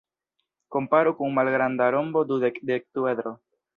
Komparu kun malgranda rombo-dudek-dekduedro.